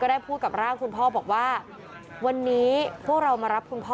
ได้พูดกับร่างคุณพ่อบอกว่าวันนี้พวกเรามารับคุณพ่อ